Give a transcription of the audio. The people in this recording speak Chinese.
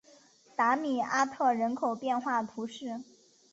达米阿特人口变化图示